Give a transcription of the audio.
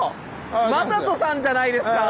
魔裟斗さんじゃないですか！